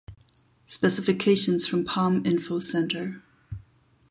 Specifications from Palm Info Center.